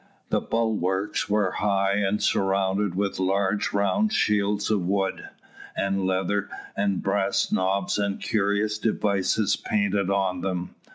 The bulwarks were high and surrounded with large round shields of wood, and leather, and brass knobs, and curious devices painted on them.